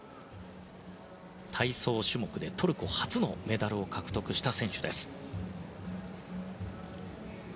体操種目でトルコ初のメダルを獲得した選手です。